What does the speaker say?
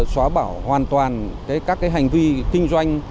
xóa bảo hoàn toàn các cái hành vi kinh doanh